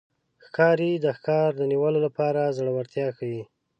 ښکاري د ښکار د نیولو لپاره زړورتیا ښيي.